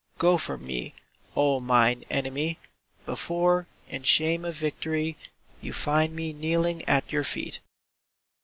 Go from me, O mine enemy, Before, in shame of victory, You find me kneeling at your feet.